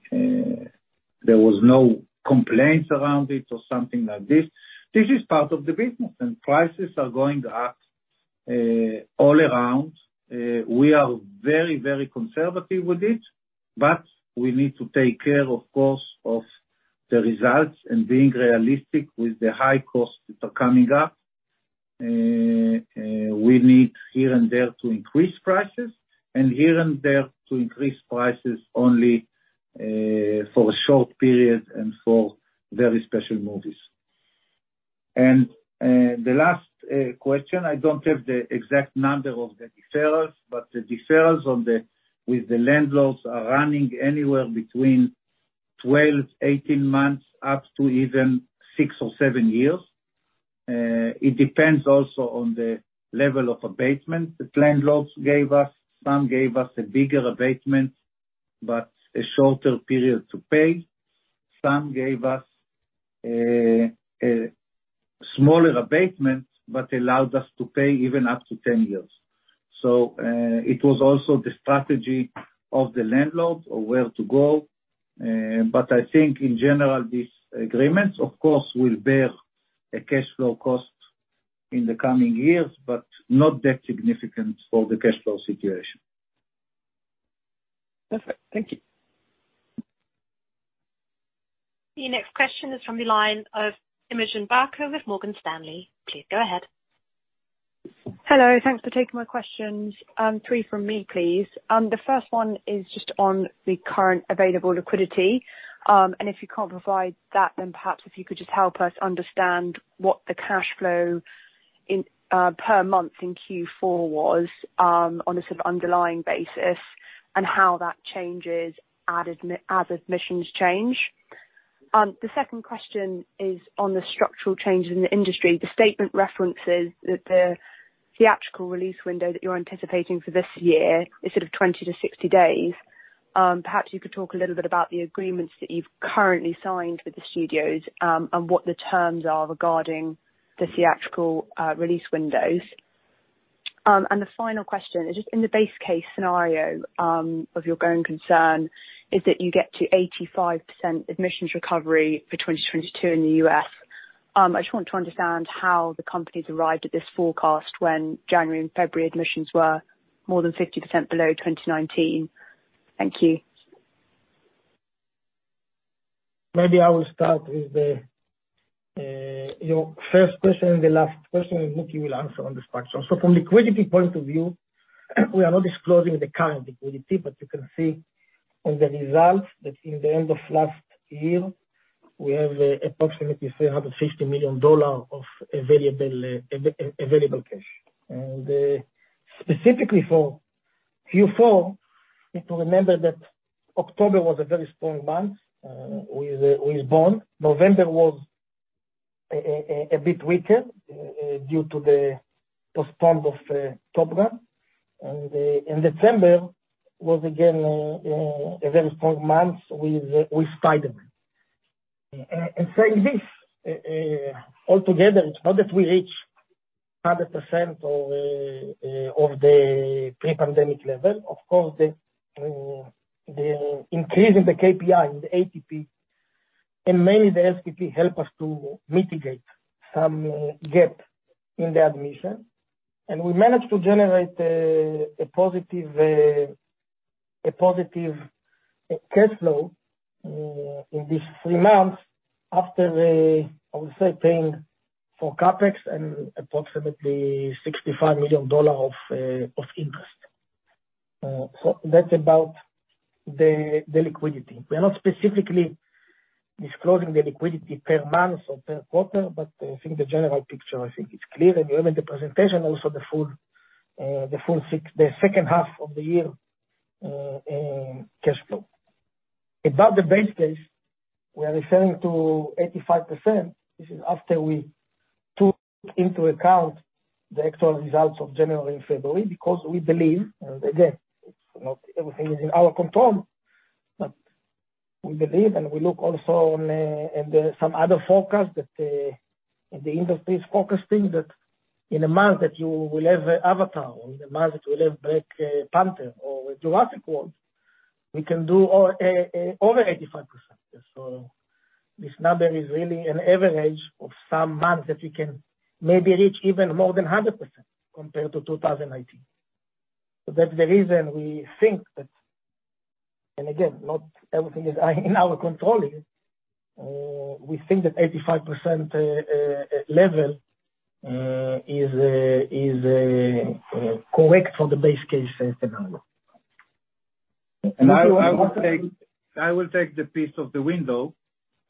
Speaker 2: was no complaints around it or something like this. This is part of the business, and prices are going up all around. We are very, very conservative with it, but we need to take care, of course, of the results and being realistic with the high costs that are coming up. We need here and there to increase prices only, for a short period and for very special movies. The last question, I don't have the exact number of the deferrals, but the deferrals with the landlords are running anywhere between 12-18 months up to even six or seven years. It depends also on the level of abatement the landlords gave us. Some gave us a bigger abatement, but a shorter period to pay. Some gave us a smaller abatement, but allowed us to pay even up to 10 years. It was also the strategy of the landlord of where to go. I think in general, these agreements of course will bear a cash flow cost in the coming years, but not that significant for the cash flow situation.
Speaker 4: Perfect. Thank you.
Speaker 1: The next question is from the line of Imogen Barker with Morgan Stanley. Please go ahead.
Speaker 5: Hello. Thanks for taking my questions. Three from me, please. The first one is just on the current available liquidity. If you can't provide that, then perhaps if you could just help us understand what the cash flow in per month in Q4 was, on a sort of underlying basis, and how that changes as admissions change. The second question is on the structural change in the industry. The statement references that the theatrical release window that you're anticipating for this year is sort of 20-60 days. Perhaps you could talk a little bit about the agreements that you've currently signed with the studios, and what the terms are regarding the theatrical release windows. The final question is just in the base case scenario of your going concern is that you get to 85% admissions recovery for 2022 in the U.S. I just want to understand how the company has arrived at this forecast when January and February admissions were more than 50% below 2019. Thank you.
Speaker 3: Maybe I will start with your first question and the last question, and Mooky will answer on this part. From liquidity point of view, we are not disclosing the current liquidity, but you can see on the results that in the end of last year, we have approximately $350 million of available cash. Specifically for Q4, you have to remember that October was a very strong month with Bond. November was a bit weaker due to the poSPPonement of Top Gun. In December was again a very strong month with Spider-Man. Saying this, altogether it's not that we reached 100% of the pre-pandemic level. Of course, the increase in the KPI and the ATP, and mainly the SPP help us to mitigate some gap in the admission. We managed to generate a positive cashflow in these three months after I would say paying for CapEx and approximately $65 million of interest. So that's about the liquidity. We are not specifically disclosing the liquidity per month or per quarter, but I think the general picture is clear, and we have in the presentation also the full six months. The second half of the year cashflow. About the base case, we are referring to 85%. This is after we took into account the actual results of January and February, because we believe, and again, it's not everything is in our control, but we believe and we look also on in the some other forecast that in the industry is focusing that in a month that you will have Avatar or in the month that you will have Black Panther or Jurassic World, we can do over 85%. This number is really an average of some months that we can maybe reach even more than 100% compared to 2018. That's the reason we think that. Again, not everything is in our control here. We think that 85% level is correct for the base case scenario.
Speaker 2: I will take the piece of the window.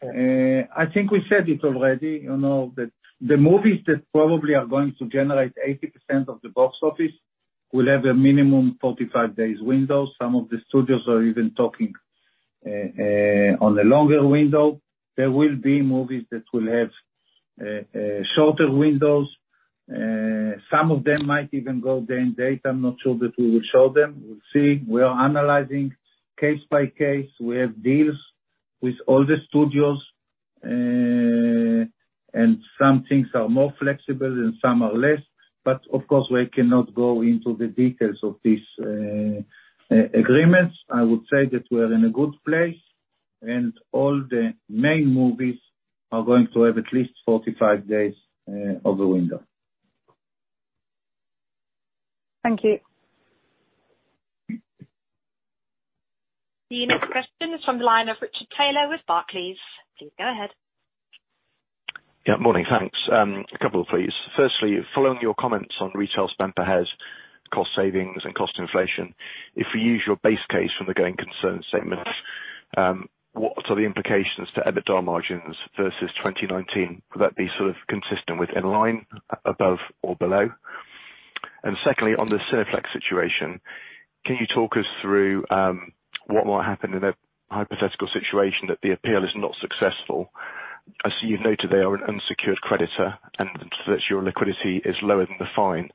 Speaker 2: I think we said it already, you know, that the movies that probably are going to generate 80% of the box office will have a minimum 45-day window. Some of the studios are even talking on a longer window. There will be movies that will have shorter windows. Some of them might even go same day. I'm not sure that we will show them. We'll see. We are analyzing case by case. We have deals with all the studios. Some things are more flexible and some are less. Of course, we cannot go into the details of these agreements. I would say that we are in a good place, and all the main movies are going to have at least 45 days of the window.
Speaker 5: Thank you.
Speaker 1: The next question is from the line of Richard Taylor with Barclays. Please go ahead.
Speaker 6: Yeah, morning. Thanks. A couple please. Firstly, following your comments on retail spend per head, cost savings and cost inflation, if we use your base case from the going concern statement, what are the implications to EBITDA margins versus 2019? Will that be sort of consistent with in line, above, or below? Secondly, on the Cineplex situation, can you talk us through what might happen in a hypothetical situation that the appeal is not successful? I see you've noted they are an unsecured creditor, and that your liquidity is lower than the fine.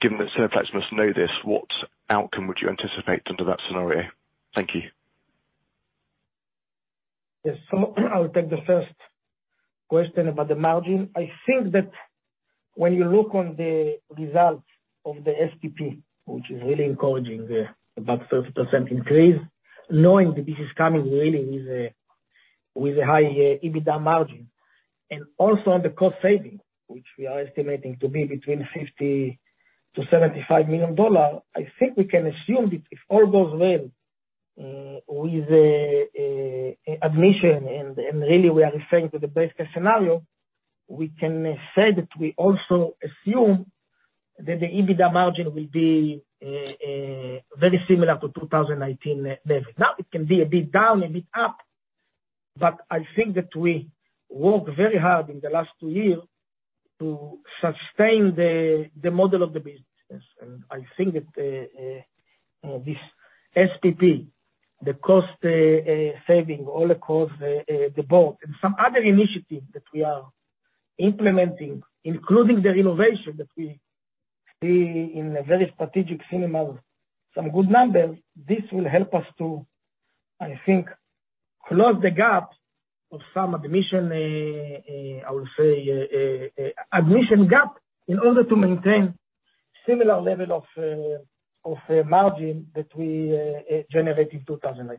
Speaker 6: Given that Cineplex must know this, what outcome would you anticipate under that scenario? Thank you.
Speaker 3: Yes. I'll take the first question about the margin. I think that when you look on the results of the SPP, which is really encouraging, the about 30% increase, knowing that this is coming really with a high EBITDA margin, and also on the cost saving, which we are estimating to be between $50 million-$75 million, I think we can assume that if all goes well with admission, and really we are referring to the best case scenario, we can say that we also assume that the EBITDA margin will be very similar to 2018 level. Now, it can be a bit down, a bit up, but I think that we worked very hard in the last two years to sustain the model of the business. I think that this SPP, the cost saving all across the board, and some other initiatives that we are implementing, including the renovation that we see in the very strategic cinemas, some good numbers, this will help us to, I think, close the gap of some admission gap in order to maintain similar level of margin that we generated in 2018.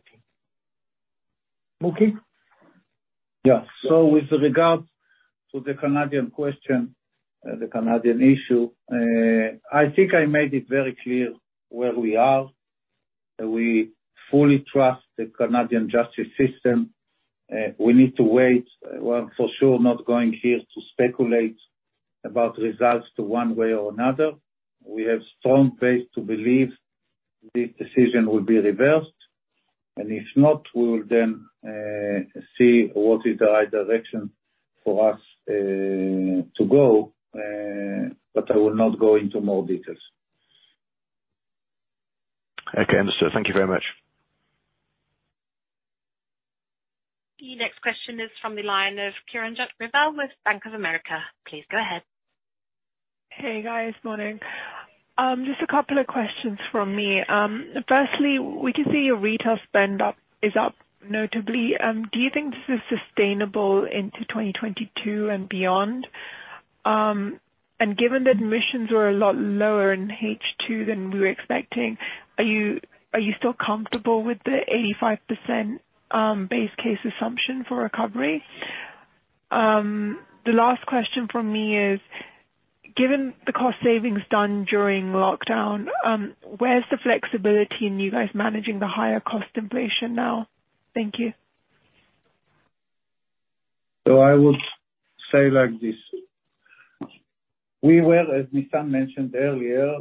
Speaker 3: Mooky?
Speaker 2: Yeah. With regards to the Canadian question, the Canadian issue, I think I made it very clear where we are. We fully trust the Canadian justice system. We need to wait. We're for sure not going to speculate here about the results one way or the other. We have strong faith to believe this decision will be reversed, and if not, we will then see what is the right direction for us to go, but I will not go into more details.
Speaker 6: Okay. Understood. Thank you very much.
Speaker 1: The next question is from the line of Kiranjit Kaur with Bank of America. Please go ahead.
Speaker 7: Hey, guys. Morning. Just a couple of questions from me. Firstly, we can see your retail spend is up notably. Do you think this is sustainable into 2022 and beyond? Given that admissions were a lot lower in H2 than we were expecting, are you still comfortable with the 85% base case assumption for recovery? The last question from me is, given the cost savings done during lockdown, where's the flexibility in you guys managing the higher cost inflation now? Thank you.
Speaker 2: I would say like this. We were, as Nisan mentioned earlier,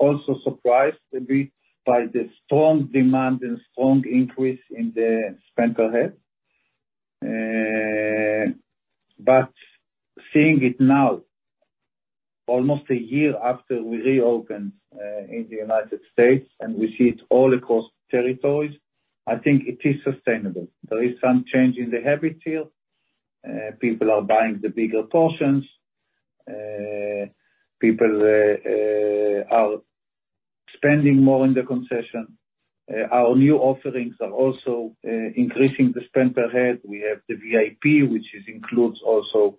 Speaker 2: also surprised a bit by the strong demand and strong increase in the spend per head. Seeing it now, almost a year after we reopened in the United States, and we see it all across territories, I think it is sustainable. There is some change in the habits here. People are buying the bigger portions. People are spending more in the concession. Our new offerings are also increasing the spend per head. We have the VIP, which includes also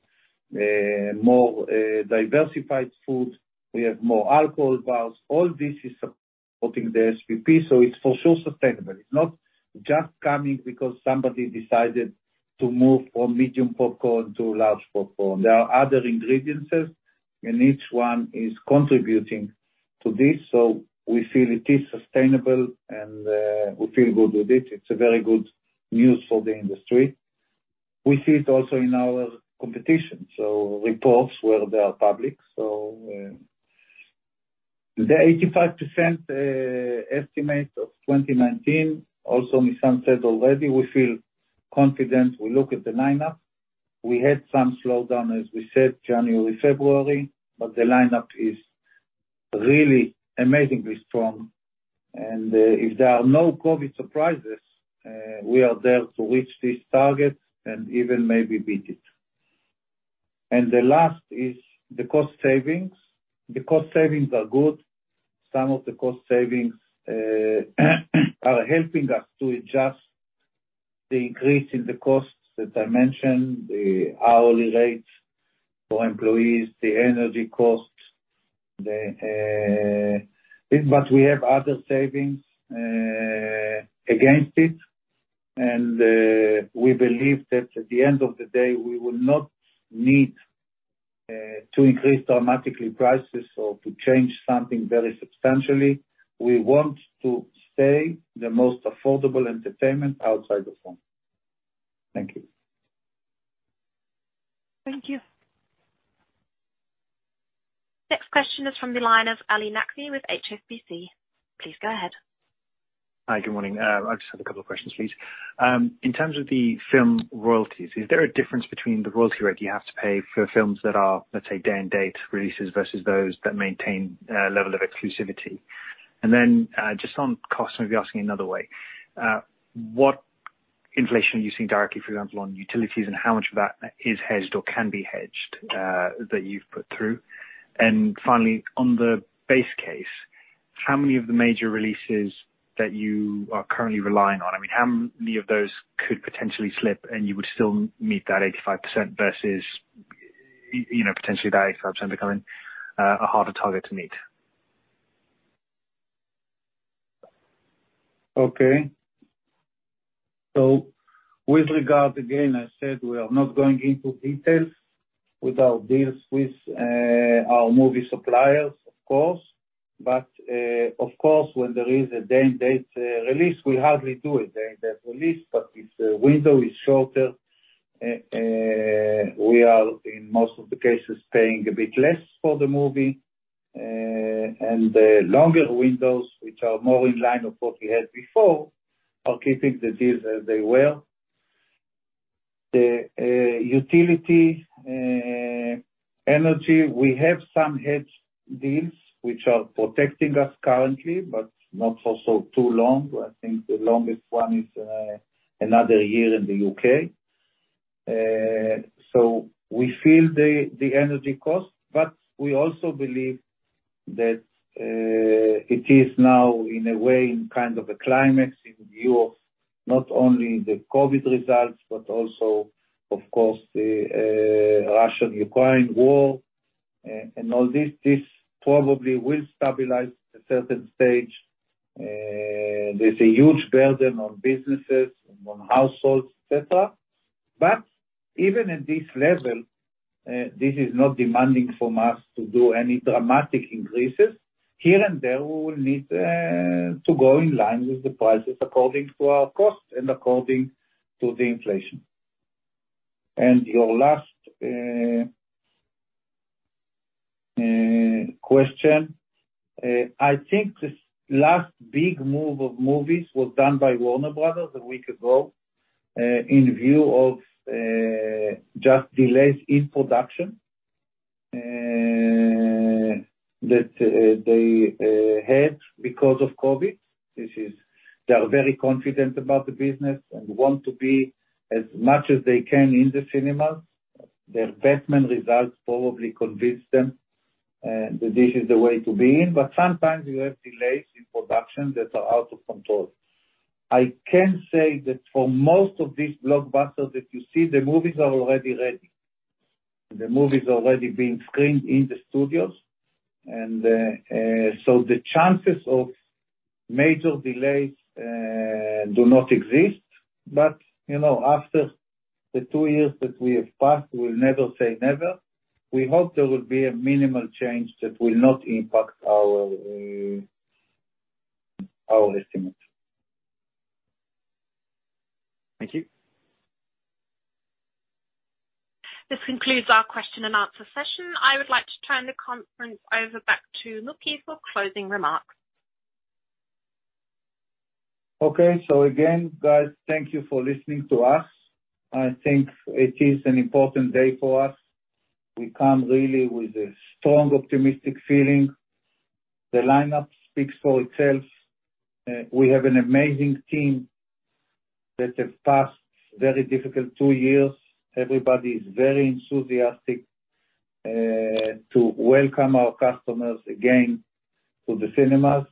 Speaker 2: more diversified food. We have more alcohol bars. All this is supporting the SPP, it's for sure sustainable. It's not just coming because somebody decided to move from medium popcorn to large popcorn. There are other ingredients here, and each one is contributing to this. We feel it is sustainable, and we feel good with it. It's a very good news for the industry. We see it also in our competition. Reports where they are public. The 85% estimate of 2019, also Nisan said already, we feel confident. We look at the lineup. We had some slowdown, as we said, January, February, but the lineup is really amazingly strong. If there are no COVID surprises, we are there to reach these targets and even maybe beat it. The last is the cost savings. The cost savings are good. Some of the cost savings are helping us to adjust the increase in the costs that I mentioned, the hourly rates for employees, the energy costs. But we have other savings against it. We believe that at the end of the day, we will not need to increase dramatically prices or to change something very substantially. We want to stay the most affordable entertainment outside the home. Thank you.
Speaker 1: Thank you. Next question is from the line of Ali Naqvi with HSBC. Please go ahead.
Speaker 8: Hi. Good morning. I just have a couple of questions, please. In terms of the film royalties, is there a difference between the royalty rate you have to pay for films that are, let's say, day-and-date releases versus those that maintain a level of exclusivity? And then, just on cost, maybe asking another way, what inflation are you seeing directly, for example, on utilities and how much of that is hedged or can be hedged that you've put through? And finally, on the base case, how many of the major releases that you are currently relying on, I mean, how many of those could potentially slip and you would still meet that 85% versus potentially that 85% becoming a harder target to meet?
Speaker 2: Okay. With regard, again, I said we are not going into details with our deals with our movie suppliers, of course. Of course, when there is a day-and-date release, we hardly do a day-and-date release. If the window is shorter, we are, in most of the cases, paying a bit less for the movie. The longer windows, which are more in line of what we had before, are keeping the deals as they were. The utility energy, we have some hedge deals which are protecting us currently but not for so too long. I think the longest one is another year in the U.K. We feel the energy cost, but we also believe that it is now, in a way, in kind of a climax in view of not only the COVID results, but also, of course, the Russian-Ukraine war, and all this. This probably will stabilize at a certain stage. There's a huge burden on businesses and on households, et cetera. Even at this level, this is not demanding from us to do any dramatic increases. Here and there, we will need to go in line with the prices according to our costs and according to the inflation. Your last question. I think the last big move of movies was done by Warner Bros. a week ago, in view of just delays in production that they had because of COVID. This is. They are very confident about the business and want to be as much as they can in the cinemas. Their The Batman results probably convince them that this is the way to be, but sometimes you have delays in production that are out of control. I can say that for most of these blockbusters that you see, the movies are already ready. The movie's already been screened in the studios. So the chances of major delays do not exist. You know, after the two years that we have passed, we'll never say never. We hope there will be a minimal change that will not impact our estimates.
Speaker 8: Thank you.
Speaker 1: This concludes our question and answer session. I would like to turn the conference over back to Mooky for closing remarks.
Speaker 2: Okay. Again, guys, thank you for listening to us. I think it is an important day for us. We come really with a strong optimistic feeling. The lineup speaks for itself. We have an amazing team that have passed very difficult two years. Everybody is very enthusiastic to welcome our customers again to the cinemas.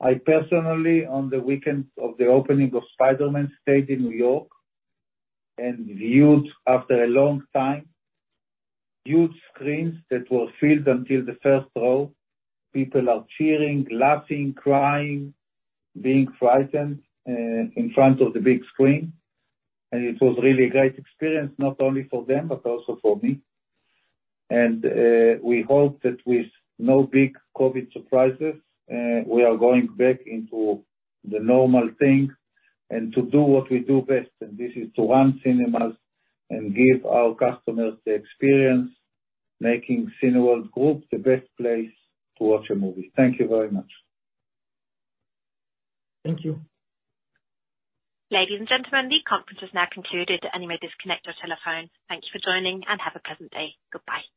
Speaker 2: I personally, on the weekend of the opening of Spider-Man, stayed in New York and viewed, after a long time, huge screens that were filled until the first row. People are cheering, laughing, crying, being frightened in front of the big screen. It was really a great experience, not only for them, but also for me. We hope that with no big COVID surprises, we are going back into the normal thing and to do what we do best, and this is to run cinemas and give our customers the experience making Cineworld Group the best place to watch a movie. Thank you very much.
Speaker 1: Thank you. Ladies and gentlemen, the conference is now concluded. You may disconnect your telephone. Thank you for joining, and have a pleasant day. Goodbye.